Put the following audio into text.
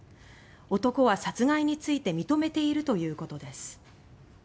男は殺害について認めているということです。